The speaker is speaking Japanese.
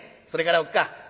「それからおっ母ぁ」。